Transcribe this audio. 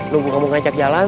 tunggu kamu ngajak jalan